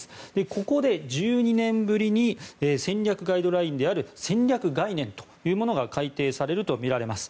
ここで１２年ぶりに戦略ガイドラインである戦略概念というものが改定されるとみられます。